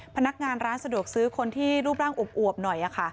พนักงานร้านสะดวกซื้อคนที่รูปร่างอวบหน่อย